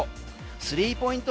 スリーポイント